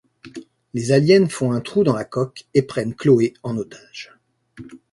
Les aliens font un trou dans la coque et prennent Chloe en otage.